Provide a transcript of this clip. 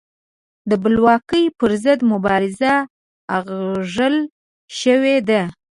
د بلواکۍ پر ضد مبارزه اغږل شوې ده.